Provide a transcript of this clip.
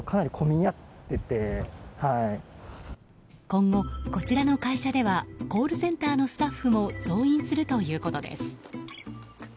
今後、こちらの会社ではコールセンターのスタッフも増員するということです。